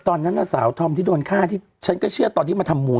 ตอนนั้นน่ะสาวธอมที่โดนฆ่าที่ฉันก็เชื่อตอนที่มาทำมูล